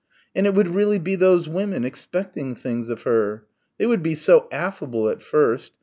And it would really be those women, expecting things of her. They would be so affable at first.